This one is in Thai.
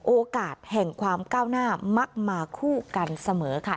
โอกาสแห่งความก้าวหน้ามักมาคู่กันเสมอค่ะ